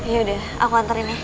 yaudah aku anterin ya